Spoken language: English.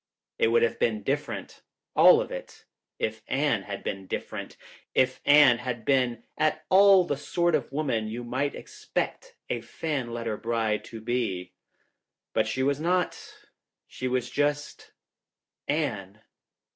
It would have been different, all of it, if Anne had been different. If Anne had been at all the sort of woman you might possibly expect a fan letter bride to be. But she was not. She was — just Anne.